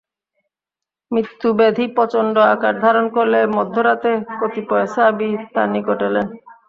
মৃত্যু-ব্যাধি প্রচণ্ড আকার ধারণ করলে মধ্য রাতে কতিপয় সাহাবী তাঁর নিকট এলেন।